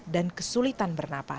di sini tertera tiga puluh enam